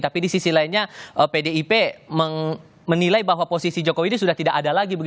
tapi di sisi lainnya pdip menilai bahwa posisi jokowi ini sudah tidak ada lagi